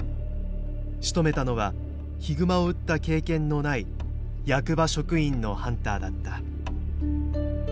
しとめたのはヒグマを撃った経験のない役場職員のハンターだった。